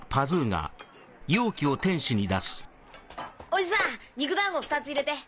おじさん肉だんご２つ入れて。